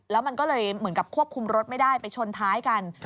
แล้วมันก็เลยเหมือนกับควบคุมรถไม่ได้ไปชนท้ายกัน